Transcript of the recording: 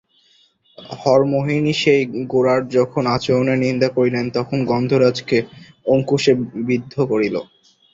হরিমোহিনী সেই গোরার যখন আচরণের নিন্দা করিলেন তখন গজরাজকে অঙ্কুশে বিদ্ধ করিল।